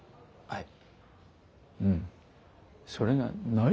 はい。